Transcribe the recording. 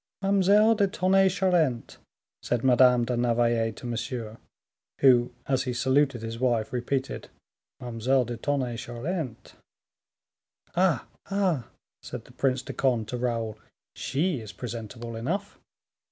"Mademoiselle de Tonnay Charente," said Madame de Navailles to Monsieur, who, as he saluted his wife, repeated "Mademoiselle de Tonnay Charente." "Ah! ah!" said the Prince de Conde to Raoul, "she is presentable enough."